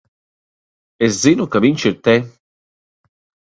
Es zinu, ka viņš ir te.